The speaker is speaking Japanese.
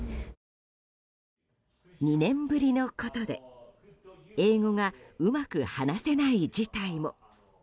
２年ぶりのことで英語がうまく話せない事態も。